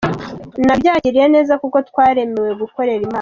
Nabyakiriye neza kuko twaremewe gukorera Imana.